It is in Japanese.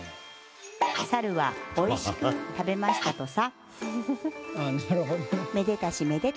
サルはおいしく食べましたとさ。